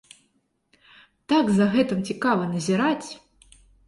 Так за гэтым цікава назіраць!